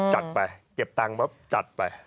จัดไปเก็บตังค์ปั๊บจัดไป